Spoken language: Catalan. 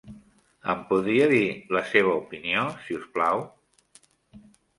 Em podria dir la seva opinió, si us plau?